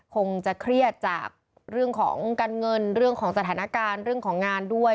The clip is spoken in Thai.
คงจะเครียดจากเรื่องของการเงินเรื่องของสถานการณ์เรื่องของงานด้วย